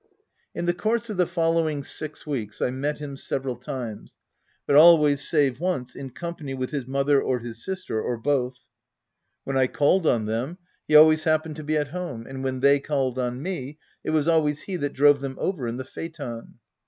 In the course of the following six weeks, I met him several times, but always, save once, in company with his mother or his sister, or both. When I called on them, he always happened to be at home, and when they called on me, it was always he that drove them over in the phaeton.